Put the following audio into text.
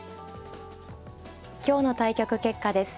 今日の対局結果です。